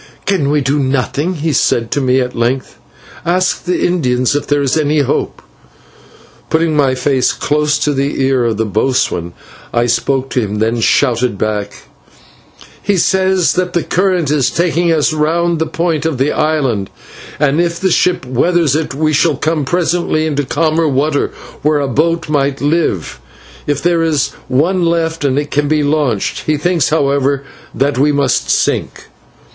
"Can we do nothing?" he said to me at length. "Ask the Indians if there is any hope." Putting my face close to the ear of the boatswain, I spoke to him, then shouted back: "He says that the current is taking us round the point of the island, and if the ship weathers it, we shall come presently into calmer water, where a boat might live, if there is one left and it can be launched. He thinks, however, that we must sink."